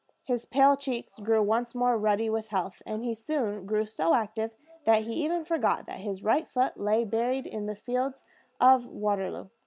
His pale cheeks grew once more ruddy with health, and he soon grew so active that he even forgot that his right foot lay buried on the field of Waterloo.